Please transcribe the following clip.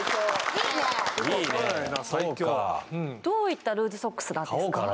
いいねそうかどういったルーズソックスなんですか？